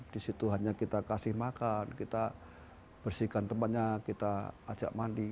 di situ hanya kita kasih makan kita bersihkan tempatnya kita ajak mandi